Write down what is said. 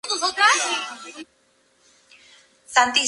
La extensión de Andalucía Oriental coincide con la Alta Andalucía.